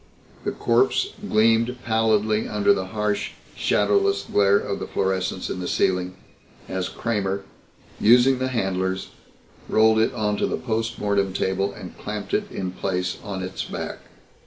The corpse gleamed pallidly under the harsh shadowless glare of the fluorescents in the ceiling as Kramer, using the handlers, rolled it onto the post mortem table and clamped it in place on its back.